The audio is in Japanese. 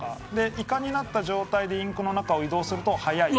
イカになった状態でインクの中を移動すると速い。